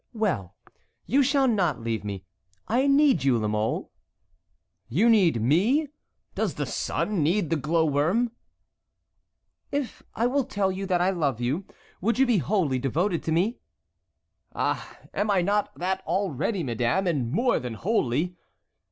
"Well, you shall not leave me. I need you, La Mole." "You need me? Does the sun need the glow worm?" "If I will tell you that I love you, would you be wholly devoted to me?" "Ah! am I not that already, madame, and more than wholly?"